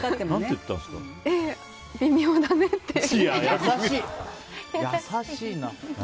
優しいな。